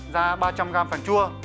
ra ba trăm linh gram phèn chua